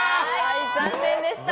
残念でした。